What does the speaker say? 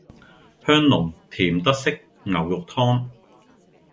香濃甜德式牛肉湯